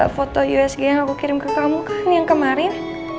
foto usb yang kukirim ke kamu kan yang kemarin